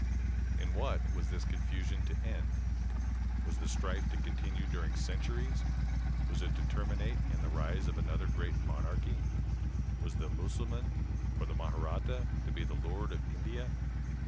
In what was this confusion to end? Was the strife to continue during centuries? Was it to terminate in the rise of another great monarchy? Was the Mussulman or the Mahratta to be the Lord of India?